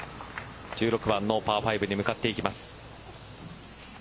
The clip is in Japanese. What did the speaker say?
１６番のパー５に向かっていきます。